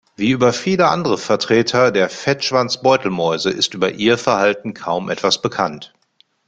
Wie über viele andere Vertreter der Fettschwanz-Beutelmäuse ist über ihr Verhalten kaum etwas bekannt.